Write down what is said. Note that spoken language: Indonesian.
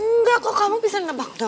nggak kok kamu bisa nebak nebak